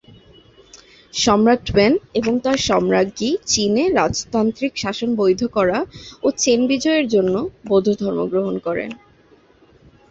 সম্রাট ওয়েন এবং তার সম্রাজ্ঞী চীনে রাজতান্ত্রিক শাসন বৈধ করা ও চেন বিজয়ের জন্য বৌদ্ধ ধর্ম গ্রহণ করেন।